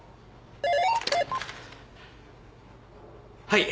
はい。